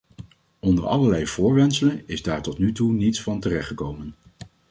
Onder allerlei voorwendselen is daar tot nu toe niets van terechtgekomen.